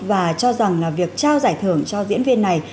và cho rằng việc trao giải thưởng cho diễn viên này